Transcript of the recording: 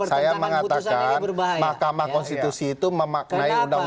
saya mengatakan mahkamah konstitusi itu memaknai undang undang